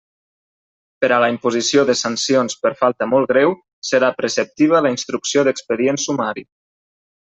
Per a la imposició de sancions per falta molt greu serà preceptiva la instrucció d'expedient sumari.